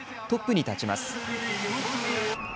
トップに立ちます。